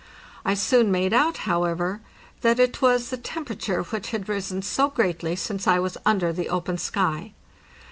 I soon made out, however, that it was the temperature which had risen so greatly since I was under the open sky.